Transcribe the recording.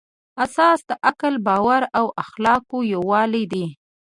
اساس د عقل، باور او اخلاقو یووالی دی.